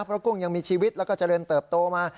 เพราะกุ้งยังมีชีวิตแล้วก็เจริญเติบโตมา